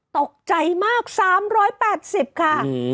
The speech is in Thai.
ตกใจมาก๓๘๐ค่ะ